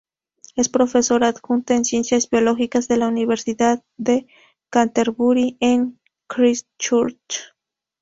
Es profesora adjunta en "Ciencias Biológicas" de la Universidad de Canterbury, en Christchurch.